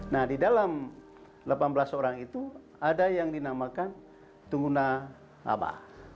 nah di dalam delapan belas orang itu ada yang dinamakan pengguna laba